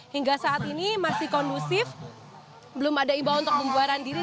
hingga saat ini masih kondusif belum ada imbau untuk pembuaran diri